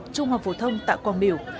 trung học phổ thông tại quang biểu